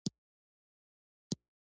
د ژبي غفلت د فرهنګي شاتګ لامل دی.